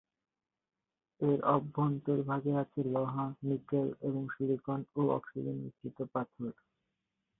এর অভ্যন্তরভাগে আছে লোহা, নিকেল এবং সিলিকন ও অক্সিজেন মিশ্রিত পাথর।